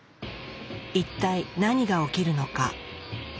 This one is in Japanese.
一体何がおきるのか。